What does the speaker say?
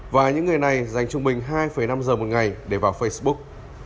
và những người này dành trung bình hai năm giờ một ngày để vào facebook